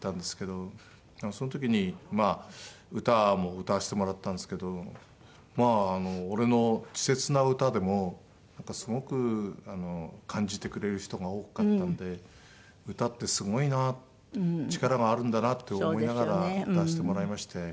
その時にまあ歌も歌わせてもらったんですけど俺の稚拙な歌でもなんかすごく感じてくれる人が多かったので歌ってすごいな力があるんだなって思いながら歌わせてもらいまして。